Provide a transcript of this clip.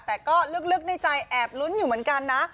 แต่ก็ลึกในใจแอบลุ้นอยู่เหมือนกันนะ